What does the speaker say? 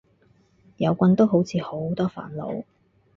有棍都好似好多煩惱